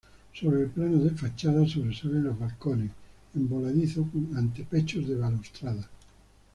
Sobre el plano de fachada sobresalen los balcones en voladizo con antepechos de balaustrada.